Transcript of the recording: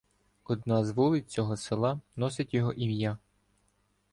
Одна з вулиць цього села носить його ім'я.